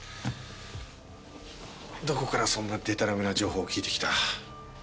どこからそんなデタラメな情報を聞いてきた？